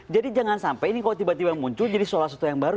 jadi jangan sampai ini kalau tiba tiba muncul jadi seolah olah satu yang baru